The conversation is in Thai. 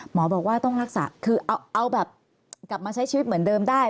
หมอบอกว่าต้องรักษาคือเอาแบบกลับมาใช้ชีวิตเหมือนเดิมได้